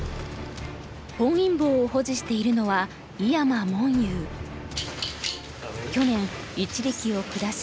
本因坊を保持しているのは去年一力を下し